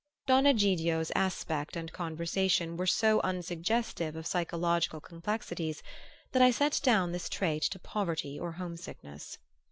Don Egidio's aspect and conversation were so unsuggestive of psychological complexities that I set down this trait to poverty or home sickness.